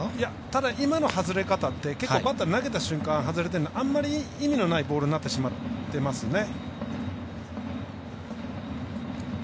ただ、今の外れ方ってバッター投げた瞬間外れると、あんまり意味のないボールになってしまってますね。